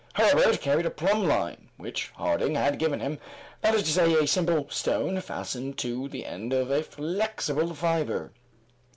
Herbert carried a plumb line which Harding had given him, that is to say, a simple stone fastened to the end of a flexible fiber.